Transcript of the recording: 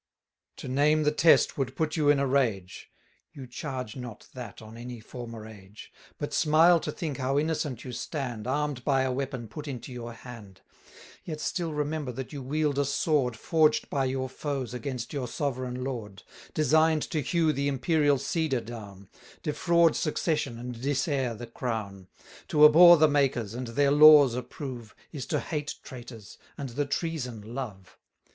To name the Test would put you in a rage; You charge not that on any former age, But smile to think how innocent you stand, 700 Arm'd by a weapon put into your hand, Yet still remember that you wield a sword Forged by your foes against your sovereign lord; Design'd to hew the imperial cedar down, Defraud succession, and dis heir the crown. To abhor the makers, and their laws approve, Is to hate traitors, and the treason love.